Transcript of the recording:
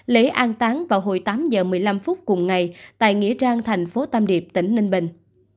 lễ an táng vào hồi tám giờ một mươi năm phút cùng ngày tại nghĩa trang thành phố tam điệp tỉnh ninh bình